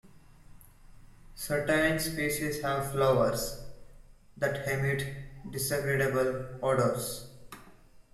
Certain species have flowers that emit disagreeable odors.